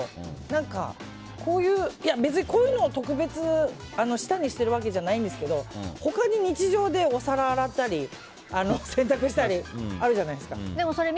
何かこういうのを特別、下にしてるわけじゃないんですけど他に日常でお皿を洗ったり洗濯したり、あるじゃないですか。